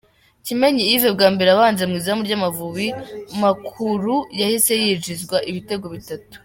Kimenyi Yves bwa mbere abanza mu izamu ry'Amavubi makuru yahise yinjizwa ibitego bitatu.